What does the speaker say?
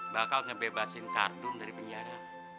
bakal ngebebasin kardun dari penjara